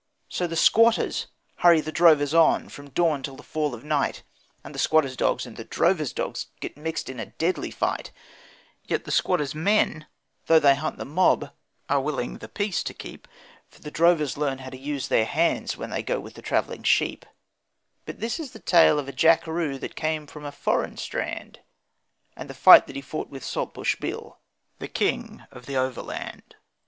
So the squatters hurry the drovers on from dawn till the fall of night, And the squatters' dogs and the drovers' dogs get mixed in a deadly fight; Yet the squatters' men, though they hunt the mob, are willing the peace to keep, For the drovers learn how to use their hands when they go with the travelling sheep; But this is the tale of a Jackaroo that came from a foreign strand, And the fight that he fought with Saltbush Bill, the King of the Overland.